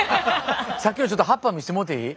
さっきのちょっと葉っぱ見してもうていい？